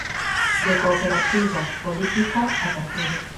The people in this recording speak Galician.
De "cooperativa política" a partido.